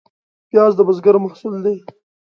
پیاز د بزګر محصول دی